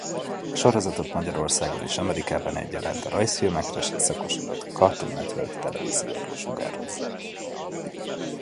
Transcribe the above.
A sorozatot Magyarországon és Amerikában egyaránt a rajzfilmekre szakosodott Cartoon Network televízióadó sugározza.